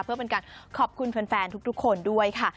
เพื่อเป็นการขอบคุณแฟนทุกคนด้วยค่ะ